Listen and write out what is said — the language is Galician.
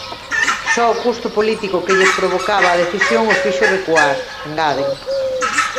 "Só o custo político que lles provocaba a decisión os fixo recuar", engaden.